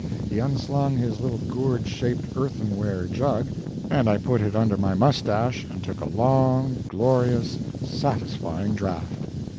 He unslung his little gourd shaped earthenware jug, and I put it under my moustache and took a long, glorious, satisfying draught.